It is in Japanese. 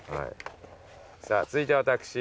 さあ続いて私。